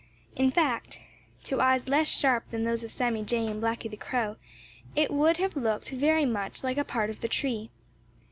In fact, to eyes less sharp than those of Sammy Jay and Blacky the Crow, it would have looked very much like a part of the tree.